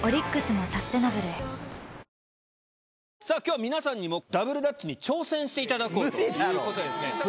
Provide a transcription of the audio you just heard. さぁ今日は皆さんにもダブルダッチに挑戦していただこうということでですね